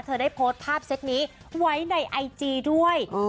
ได้โพสต์ภาพเซ็ตนี้ไว้ในไอจีด้วย